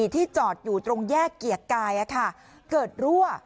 ที่จอดอยู่ตรงแยกเกียรติกายเกิดรั่ว